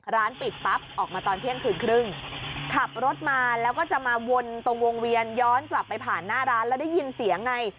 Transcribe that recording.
ร้านปิดปั๊บออกมาตอนเที่ยงคืนครึ่งขับรถมาแล้วก็จะมาวนตรงวงเวียนย้อนกลับไปผ่านหน้าร้านแล้วได้ยินเสียงไง